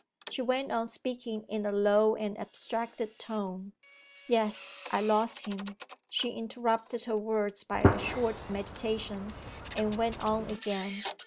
She went on speaking in a low and abstracted tone. 'Yes, I lost him.' She interrupted her words by a short meditation, and went on again.